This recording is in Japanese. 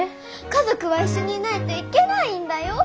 家族は一緒にいないといけないんだよ。